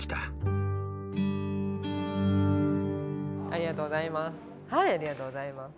ありがとうございます。